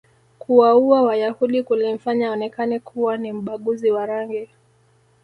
kuwauwa wayahudi kulimfanya aonekane kuwa ni mbaguzi wa rangi